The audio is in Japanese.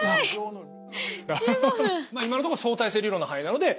まあ今のところ相対性理論の範囲なので。